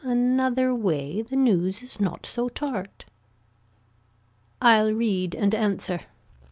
Another way The news is not so tart. I'll read, and answer.